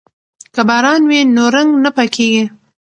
که باران وي نو رنګ نه پاکیږي.